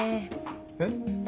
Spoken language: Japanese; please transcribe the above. えっ？